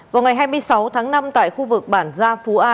vào ngày hai mươi sáu tháng năm tại khu vực bản gia phú a